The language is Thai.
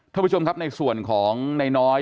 ท่านผู้ชมครับในส่วนของนายน้อย